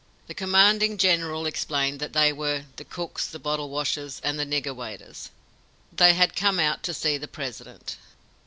The commanding general explained that they were "the cooks, the bottle washers, and the nigger waiters." They had come out to see the President.